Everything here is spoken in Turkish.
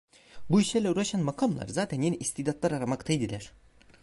Bu işlerle uğraşan makamlar, zaten yeni istidatlar aramakta idiler.